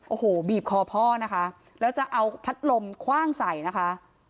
โอ้โหบีบคอพ่อนะคะแล้วจะเอาพัดลมคว่างใส่นะคะ